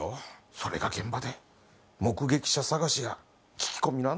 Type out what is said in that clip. それが現場で目撃者探しや聞き込みなんて。